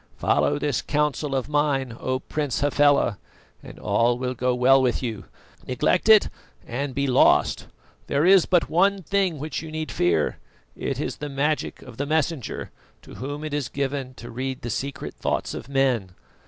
"Follow this counsel of mine, O Prince Hafela, and all will go well with you. Neglect it and be lost. There is but one thing which you need fear it is the magic of the Messenger, to whom it is given to read the secret thoughts of men.